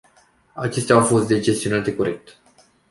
Acestea au fost deci gestionate corect.